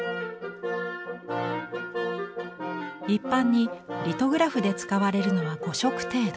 一般にリトグラフで使われるのは５色程度。